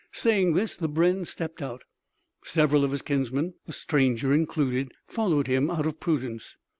Saying this, the brenn stepped out. Several of his kinsmen, the stranger included, followed him out of prudence.